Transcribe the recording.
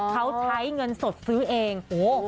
เขาใช้เงินสดซื้อเอง